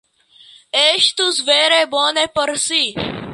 Estus vere bone por ŝi.